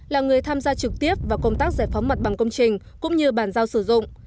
là người tham gia trực tiếp vào công tác giải phóng mặt bằng công trình cũng như bàn giao sử dụng